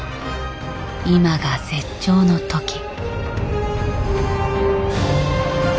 今が絶頂の時。